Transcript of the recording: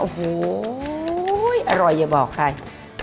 โอ้โหอร่อยอย่าบอกใคร